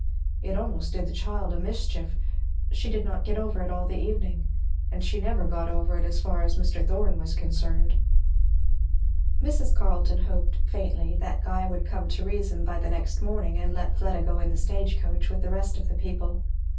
It almost did the child a mischief. She did not get over it all the evening. And she never got over it as far as Mr. Thorn was concerned. Mrs. Carleton hoped, faintly, that Guy would come to reason by the next morning and let Fleda go in the stage coach with the rest of the people.